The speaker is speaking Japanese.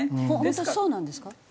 本当にそうなんですか？